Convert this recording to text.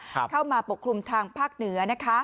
เข้ามาปกคลุมทางภาคเหนือนะคะ